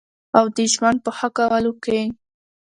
او د ژوند په ښه کولو کې